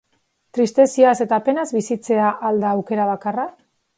Tristeziaz eta penaz bizitzea al da aukera bakarra?